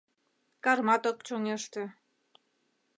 Кармат ок чоҥеште: